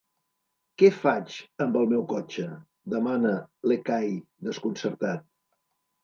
Què faig, amb el meu cotxe? —demana l'Ekahi, desconcertat—.